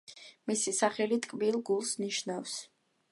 მისი სახელი „ტკბილ გულს“ ნიშნავს.